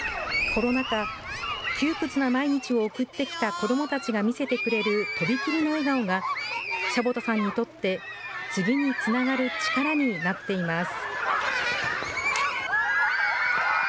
コロナ禍、窮屈な毎日を送ってきた子どもたちが見せてくれるとびきりの笑顔が、石鹸田さんにとって次につながる力になっています。